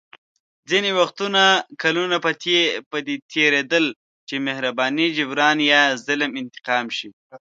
ځینې وختونه کلونه په دې تېرېدل چې مهرباني جبران یا ظلم انتقام شي.